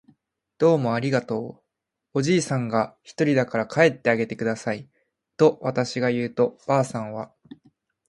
「どうもありがとう。」おじいさんがひとりだから帰ってあげてください。」とわたしが言うと、ばあさんは